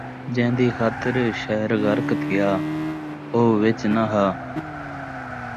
جین٘دی خاطر شہر غرق تھیا، او وچ ناں ہا